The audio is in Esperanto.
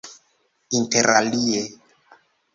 interalie